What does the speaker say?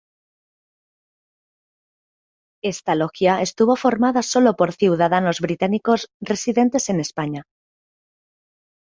Esta logia estuvo formada sólo por ciudadanos británicos residentes en España.